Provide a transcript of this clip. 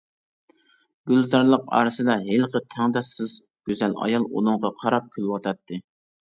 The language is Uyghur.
گۈلزارلىق ئارىسىدا ھېلىقى تەڭداشسىز گۈزەل ئايال ئۇنىڭغا قاراپ كۈلۈۋاتاتتى.